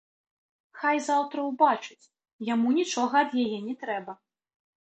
Хай заўтра ўбачыць, яму нічога ад яе не трэба!